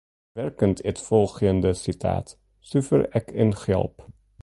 Wa werkent it folgjende sitaat, suver ek in gjalp?